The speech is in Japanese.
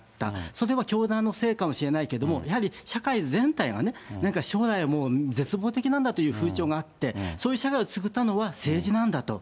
それは教団のせいかもしれないけれども、やはり社会全体がね、何か将来、もう絶望的なんだという風潮があって、そういう社会を作ったのは政治なんだと。